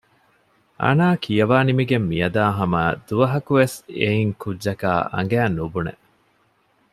އާނާ ކިޔަވާ ނިމިގެން މިއަދާ ހަމައަށް ދުވަހަކުވެސް އެއިން ކުއްޖަކާ އަނގައިން ނުބުނެ